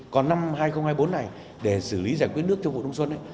còn năm hai nghìn hai mươi bốn này để xử lý giải quyết nước trong vùng đông bằng bắc bộ